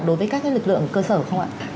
đối với các lực lượng cơ sở không ạ